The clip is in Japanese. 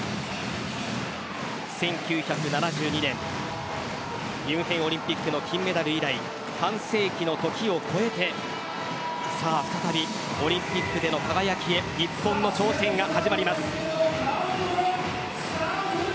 １９７２年ミュンヘンオリンピックの金メダル以来半世紀の時を越えて再び、オリンピックでの輝きへ日本の挑戦が始まります。